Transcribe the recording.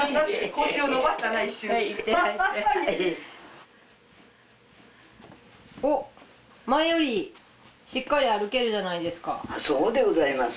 腰を伸ばしたな一瞬はい行ってらっしゃいおっ前よりしっかり歩けるじゃないですかそうでございます